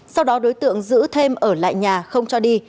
sau đó đối tượng giữ thêm ở lại nhà không cho đi